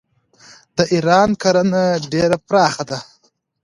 د ایران کرنه ډیره پراخه ده.